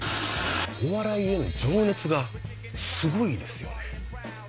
お笑いへの情熱がすごいですよね。